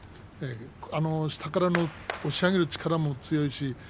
下から押し上げる力も強いです。